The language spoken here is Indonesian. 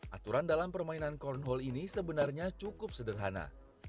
aturan dalam permainan cornhole ini sebenarnya cukup sederhana